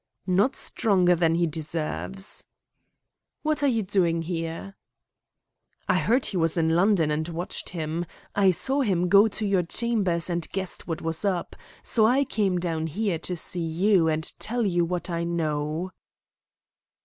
"Not stronger than he deserves." "What are you doing here?" "I heard he was in London, and watched him. I saw him go to your chambers and guessed what was up, so I came down here to see you and tell you what I know."